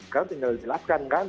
karena tinggal dijelaskan kan